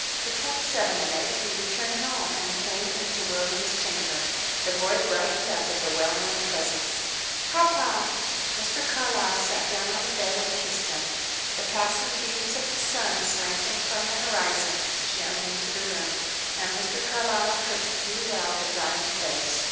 Between seven and eight he returned home, and came into William's chamber. The boy brightened up at the well known presence. "Papa!" Mr. Carlyle sat down on the bed and kissed him. The passing beams of the sun, slanting from the horizon, shone into the room, and Mr. Carlyle could view well the dying face.